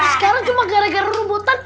sekarang cuma gara gara rubutan